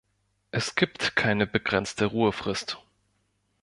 Es gibt keine begrenzte Ruhefrist.